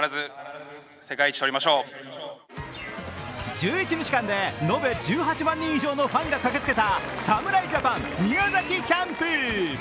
１１日間で延べ１８万人以上のファンが駆けつけた侍ジャパン宮崎キャンプ。